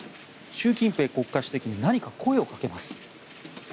習近平国家主席に何か声をかけます。